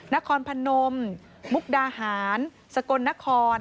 นครพนมมุกดาหารสกลนคร